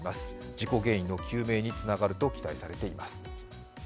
事故原因の究明につながると期待されています。